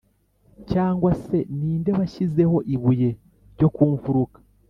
cyangwa se ni nde washyizeho ibuye ryo ku mfuruka,